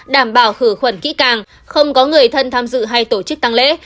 đảm bảo khử khuẩn kỹ càng không có người thân tham dự hay tổ chức tăng lễ